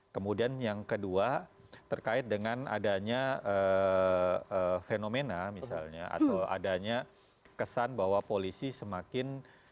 kemudian yang kedua terkait dengan adanya fenomena misalnya atau adanya kesan bahwa polisi semakin